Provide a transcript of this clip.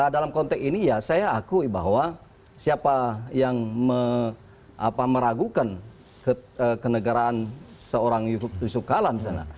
dalam konteks ini ya saya akui bahwa siapa yang meragukan kenegaraan seorang yusuf kalla misalnya